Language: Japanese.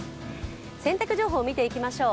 洗濯情報、見ていきましょう。